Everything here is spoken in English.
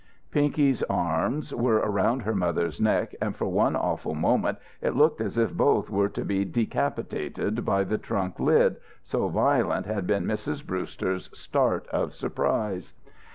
Pinky's arm were around her mother's neck and for one awful moment it looked as if both were to be decapitated by the trunk lid, so violent had been Mrs. Brewster's start of surprise.